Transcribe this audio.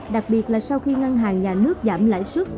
đặc biệt là sau khi ngân hàng nhà nước giảm lãi suất